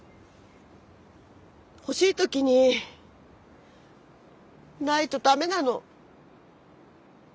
欲しい時にないとダメなの。